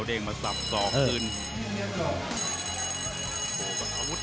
ก้าวเด้งมาสับสอบขึ้น